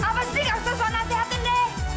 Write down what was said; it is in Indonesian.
apa sih enggak sesuai nasihatnya deh